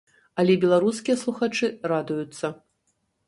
Але беларускія слухачы радуюцца.